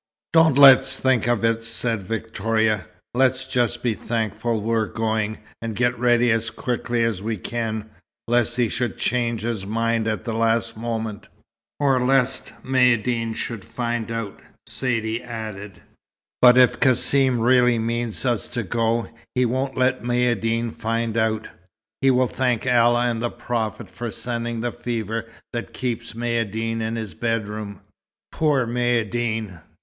"Don't let's think of it," said Victoria. "Let's just be thankful that we're going, and get ready as quickly as we can, lest he should change his mind at the last moment." "Or lest Maïeddine should find out," Saidee added. "But, if Cassim really means us to go, he won't let Maïeddine find out. He will thank Allah and the Prophet for sending the fever that keeps Maïeddine in his bedroom." "Poor Maïeddine!"